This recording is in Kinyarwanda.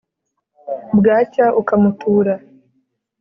bwacya ukamutura